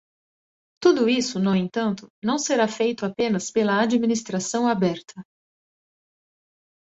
Tudo isso, no entanto, não será feito apenas pela Administração Aberta.